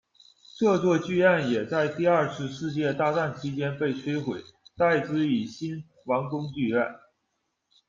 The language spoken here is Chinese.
这座剧院也在第二次世界大战期间被摧毁，代之以新王宫剧院。